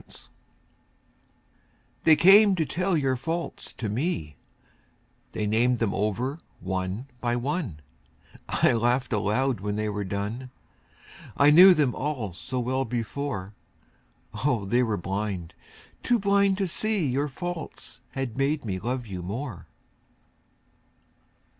Faults They came to tell your faults to me, They named them over one by one; I laughed aloud when they were done, I knew them all so well before, Oh, they were blind, too blind to see Your faults had made me love you more.